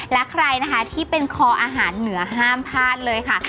และใครนะคะที่เป็นคออาหารเหนือห้ามพลาดเลยค่ะ